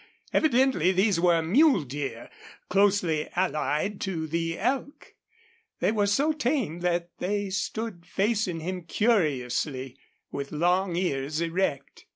Evidently these were mule deer, closely allied to the elk. They were so tame they stood facing him curiously, with long ears erect.